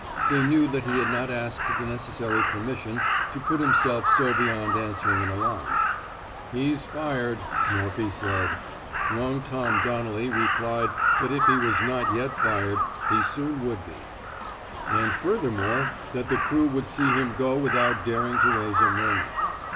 They knew that he had not asked the necessary permission to put himself so beyond answer ing an alarm. He^ fired,'' Morphy said. Long Tom " Donnelly replied that if he 253 THE SMOKE EATEBS was not yet fired, he soon would be; and furthermore that the crew would see him go without daring to raise a murmur.